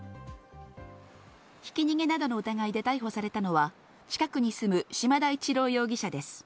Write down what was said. ひき逃げなどの疑いで逮捕されたのは、近くに住む嶋田一郎容疑者です。